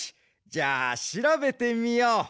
じゃあしらべてみよう。